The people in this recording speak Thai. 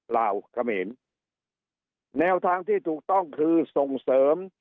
ลาวเขมรแนวทางที่ถูกต้องคือส่งเสริม